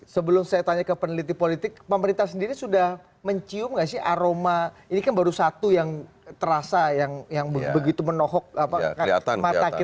sebelum saya tanya ke peneliti politik pemerintah sendiri sudah mencium gak sih aroma ini kan baru satu yang terasa yang begitu menohok mata kita